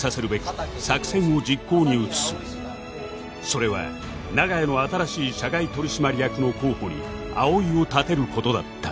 それは長屋の新しい社外取締役の候補に葵を立てる事だった